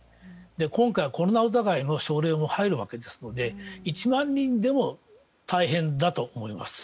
今回、コロナ疑いの症例も入るわけですので１万人でも大変だと思います。